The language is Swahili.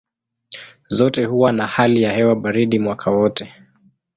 Zote huwa na hali ya hewa baridi mwaka wote.